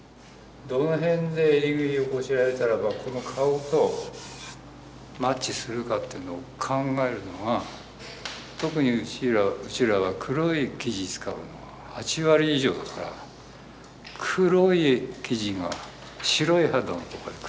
どの辺で襟ぐりをこしらえたらばこの顔とマッチするかっていうのを考えるのが特にうちらは黒い生地使うのが８割以上だから黒い生地が白い肌のとこへくるからすごいインパクトがあんだよ。